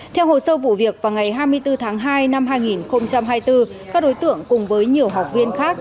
theo hồ sơ vụ việc vào ngày hai mươi bốn tháng hai năm hai nghìn hai mươi bốn các đối tượng cùng với nhiều học viên khác